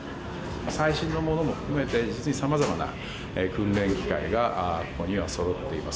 最新のものも含めて実にさまざまな訓練機械がここには、そろっています。